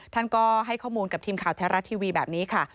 ท่านก็ให้ข้อมูลกับทีมข่าวแท้รัฐทีวีแบบนี้ค่ะ